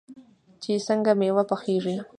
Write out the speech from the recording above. چې څنګه میوه پخیږي.